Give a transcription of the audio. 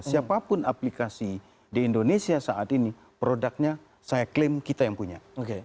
siapapun aplikasi di indonesia saat ini produknya saya klaim kita yang punya